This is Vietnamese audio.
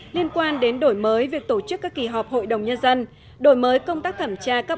liên quan đến đổi mới việc tổ chức các kỳ họp hội đồng nhân dân